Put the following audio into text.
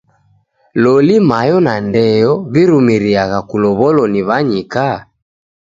Loli mayo na ndeyo w'irumiriagha kulow'olo ni w'anyika?